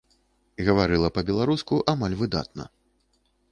Гаварыла па-беларуску амаль выдатна.